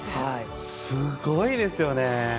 すごいですよね。